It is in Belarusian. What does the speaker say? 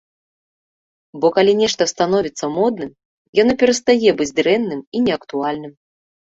Бо калі нешта становіцца модным, яно перастае быць дрэнным і неактуальным.